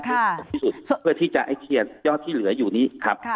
ที่สุดเพื่อที่จะให้เคลียร์ยอดที่เหลืออยู่นี้ครับ